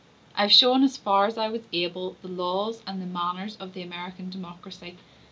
I have shown, as far as I was able, the laws and the manners of the American democracy.